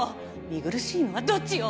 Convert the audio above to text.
見苦しいのはどっちよ！